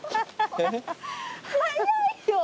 早いよ！